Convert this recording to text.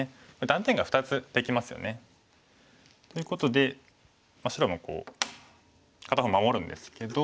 断点が２つできますよね。ということで白も片方守るんですけど。